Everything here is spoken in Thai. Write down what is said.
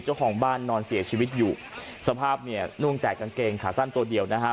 เจ้าของบ้านนอนเสียชีวิตอยู่สภาพเนี่ยนุ่งแต่กางเกงขาสั้นตัวเดียวนะฮะ